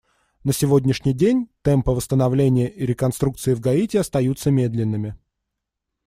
На сегодняшний день темпы восстановления и реконструкции в Гаити остаются медленными.